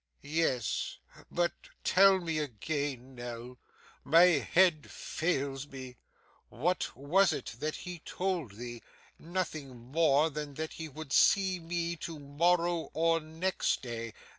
'Yes. But tell me again, Nell. My head fails me. What was it that he told thee? Nothing more than that he would see me to morrow or next day?